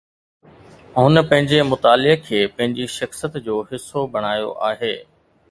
هن پنهنجي مطالعي کي پنهنجي شخصيت جو حصو بڻايو آهي